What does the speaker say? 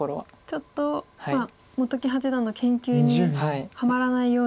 ちょっと本木八段の研究にはまらないように。